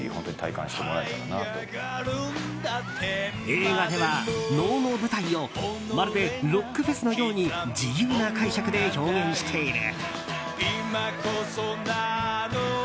映画では、能の舞台をまるでロックフェスのように自由な解釈で表現している。